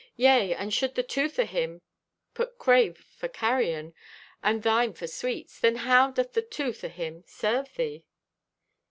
Yea, and should the tooth o' him put crave for carrion, and thine for sweets, then how doth the tooth o' him serve thee?"